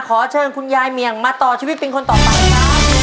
ขอเชิญคุณยายเหมียงมาต่อชีวิตเป็นคนต่อไปครับ